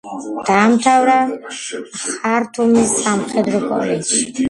დაამთავრა ხართუმის სამხედრო კოლეჯი.